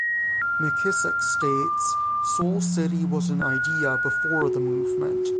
McKissick states, Soul City was an idea before the movement.